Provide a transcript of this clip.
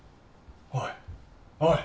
おい！